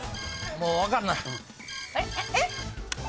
もう分かんない。